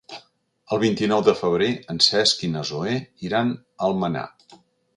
El vint-i-nou de febrer en Cesc i na Zoè iran a Almenar.